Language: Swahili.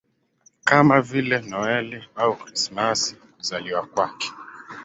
kama vile Noeli au Krismasi kuzaliwa kwake